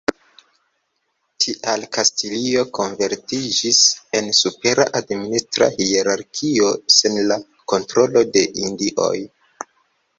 Tial Kastilio konvertiĝis en supera administra hierarkio sen la kontrolo de Indioj.